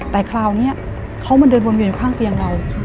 แต่คราวนี้เขามาเดินวนเวียนข้างเตียงเรา